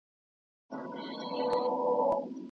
د څېړني پر مهال باید ټول شخصي امتیازات له پامه وغورځول سي.